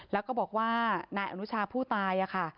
แล้วก็บอกว่านายอนุชาผู้ตายค่ะ